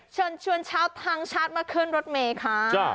ช่วงเชิญเช้าทางชาติมาเคลื่อนรถเมฆค่ะ